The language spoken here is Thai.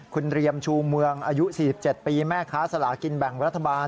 คุณเรียมชูเมืองอายุ๔๗ปีแม่ค้าสลากินแบ่งรัฐบาล